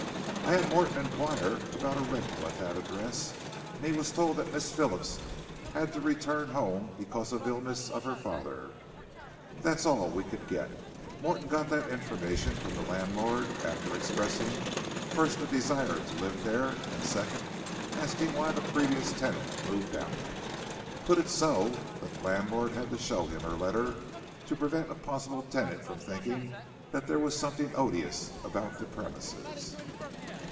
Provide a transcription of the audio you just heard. "I had Morton enquire about a rental at that address and he was told that Miss Phillips had to return home because of illness of her father. That's all we could get. Morton got that information from the landlord after expressing first a desire to live there and second asking why the previous tenant moved out. Put it so that the landlord had to show him her letter to prevent a possible tenant from thinking that there was something odious about the premises."